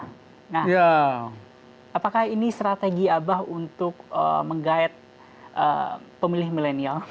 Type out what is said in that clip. nah apakah ini strategi abah untuk menggayat pemilih milenial